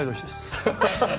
ハハハハッ。